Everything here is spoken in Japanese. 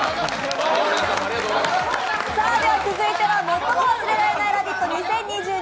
続いては「最も忘れられないラヴィット！２０２２」